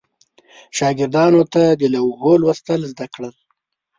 شاګردانو ته د لوحو لوستل زده کړل.